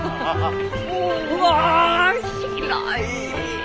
うわ広い。